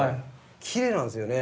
きれいなんですよね。